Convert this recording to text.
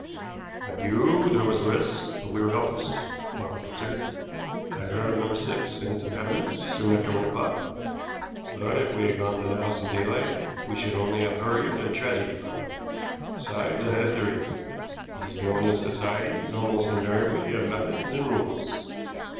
"I knew there was a risk, but we were helpless," Quarles answered. "I had heard of No. 6 and its inhabitants soon after one o'clock, but if we had gone to the house in daylight we should only have hurried a tragedy probably. Besides, I had a theory. These villainous societies almost invariably have methods and rules.